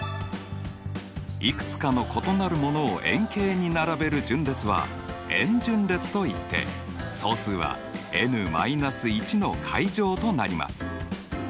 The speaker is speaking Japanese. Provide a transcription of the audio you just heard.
いくつかの異なるものを円形に並べる順列は円順列といって総数はｎ−１の階乗となります。